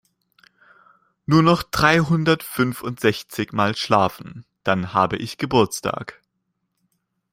Nur noch dreihundertfünfundsechzig mal schlafen, dann habe ich Geburtstag!